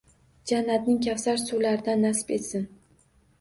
“Jannatning kavsar suvlaridan nasib etsin”